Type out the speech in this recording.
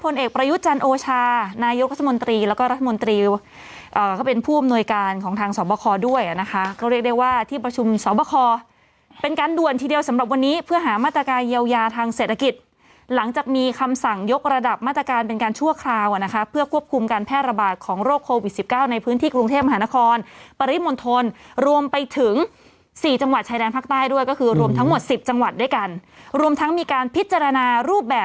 เราเรียกได้ว่าที่ประชุมสวบคอเป็นการด่วนทีเดียวสำหรับวันนี้เพื่อหามาตรการเยียวยาทางเศรษฐกิจหลังจากมีคำสั่งยกระดับมาตรการเป็นการชั่วคราวนะคะเพื่อควบคุมการแพทย์ระบาดของโรคโควิด๑๙ในพื้นที่กรุงเทพมหานครปริมณฑลรวมไปถึง๔จังหวัดชายแดนภาคใต้ด้วยก็คือรวมทั้งหมด๑๐จังหวั